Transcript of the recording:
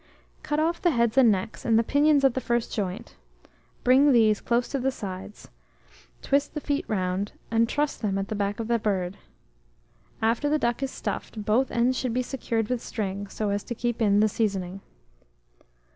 Cut off the heads and necks, and the pinions at the first joint; bring these close to the sides, twist the feet round, and truss them at the back of the bird. After the duck is stuffed, both ends should be secured with string, so as to keep in the seasoning.